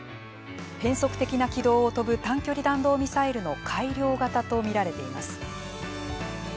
変則的な軌道を飛ぶ短距離弾道ミサイルの改良型と見られています。